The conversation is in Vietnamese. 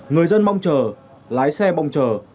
người dân mong chờ lái xe mong chờ